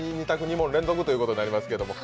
２択２問連続ということになりますけど。